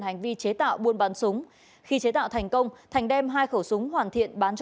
hành vi chế tạo buôn bán súng khi chế tạo thành công thành đem hai khẩu súng hoàn thiện bán cho